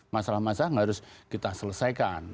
masalah masalah yang harus kita selesaikan